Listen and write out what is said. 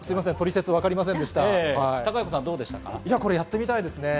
これやってみたいですね。